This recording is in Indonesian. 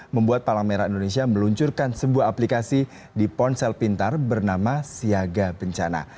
membuat palang merah indonesia meluncurkan sebuah aplikasi di ponsel pintar bernama siaga bencana